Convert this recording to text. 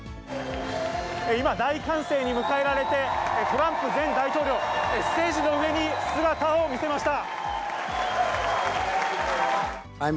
今、大歓声に迎えられて、トランプ前大統領、ステージの上に姿を見せました。